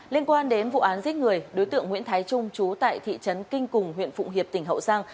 liên quan đến vụ án giết người đối tượng nguyễn thái trung chú tại thị trấn kinh cùng huyện phụng hiệp tỉnh hậu giang